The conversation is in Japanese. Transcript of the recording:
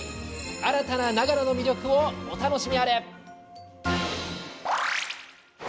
新たな長野の魅力をお楽しみあれ。